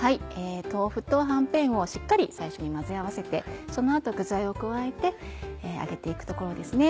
豆腐とはんぺんをしっかり最初に混ぜ合わせてその後具材を加えて揚げて行くところですね。